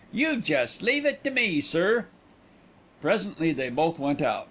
You jest leave it to me, sir." Presently they both went out.